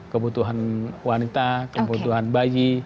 kebutuhan wanita kebutuhan bayi